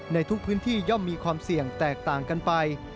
ในทุกพื้นที่ย่อมมีความเสี่ยงแตกต่างกันไป